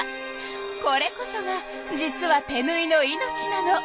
これこそが実は手ぬいの命なの。